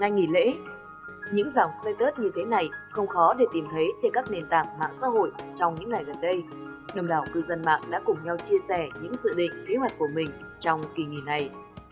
những dự định kế hoạch của mình trong kỳ nghỉ này